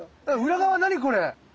裏側何これ！